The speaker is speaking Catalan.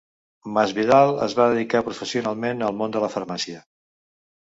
Masvidal es va dedicar professionalment al món de la farmàcia.